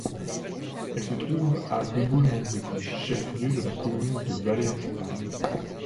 Elle se trouve à de Baulne-en-Brie, chef-lieu de la commune de Vallées-en-Champagne.